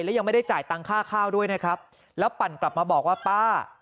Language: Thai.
และยังไม่ได้จ่ายตังค่าข้าวด้วยนะครับแล้วปั่นกลับมาบอกว่าป้า